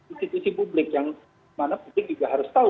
institusi publik yang mana pun kita juga harus tahu